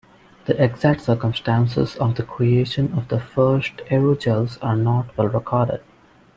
The exact circumstances of the creation of the first aerogels are not well recorded.